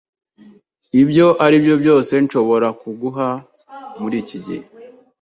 Ibyo aribyo byose nshobora kuguha muriki gihe.